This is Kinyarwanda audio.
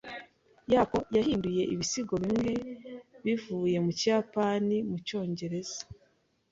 Yoko yahinduye ibisigo bimwe bivuye mu kiyapani mu cyongereza.